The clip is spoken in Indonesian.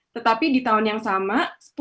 tetapi di tahun yang sama